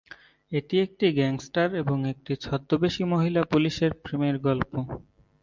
এটি একটি গ্যাংস্টার এবং একটি ছদ্মবেশী মহিলা পুলিশের প্রেমের গল্প।